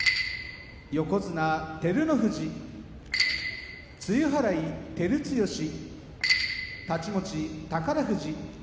横綱照ノ富士露払い照強、太刀持ち宝富士。